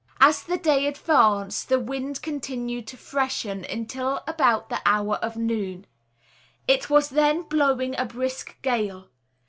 As the day advanced the wind continued to freshen until about the hour of noon. It was then blowing a brisk gale.